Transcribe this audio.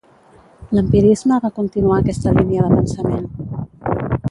L'empirisme va continuar aquesta línia de pensament.